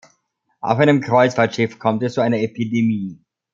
Auf einem Kreuzfahrtschiff kommt es zu einer Epidemie.